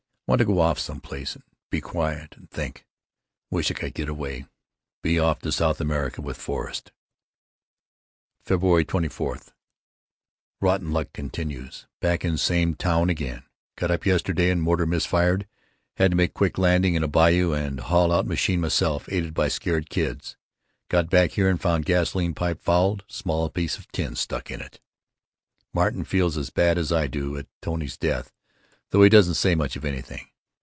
Want to go off some place and be quiet and think. Wish I could get away, be off to South America with Forrest. February 24: Rotten luck continues. Back in same town again! Got up yesterday and motor misfired, had to make quick landing in a bayou and haul out machine myself aided by scared kids. Got back here and found gasoline pipe fouled, small piece of tin stuck in it. Martin feels as bad as I do at Tony's death, tho he doesn't say much of anything.